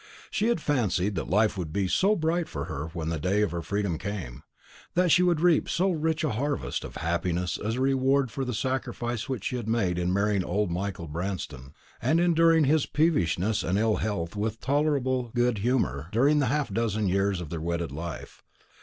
She had fancied that life would be so bright for her when the day of her freedom came; that she would reap so rich a harvest of happiness as a reward for the sacrifice which she had made in marrying old Michael Branston, and enduring his peevishness and ill health with tolerable good humour during the half dozen years of their wedded life.